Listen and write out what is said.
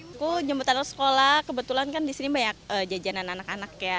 aku jemputan sekolah kebetulan kan disini banyak jajanan anak anak ya